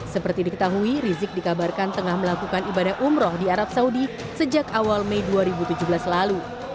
seperti diketahui rizik dikabarkan tengah melakukan ibadah umroh di arab saudi sejak awal mei dua ribu tujuh belas lalu